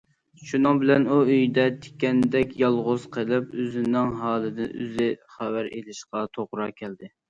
شۇنىڭ بىلەن ئۇ ئۆيىدە تىكەندەك يالغۇز قېلىپ، ئۆزىنىڭ ھالىدىن ئۆزى خەۋەر ئېلىشقا توغرا كەلدى.